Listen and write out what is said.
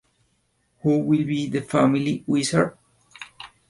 Who Will be the Family Wizard?